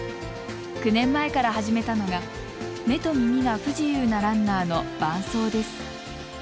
９年前から始めたのが目と耳が不自由なランナーの伴走です。